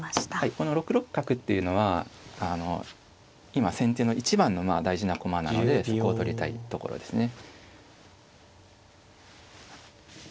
この６六角っていうのは今先手の一番の大事な駒なのでそこを取りたいところですね。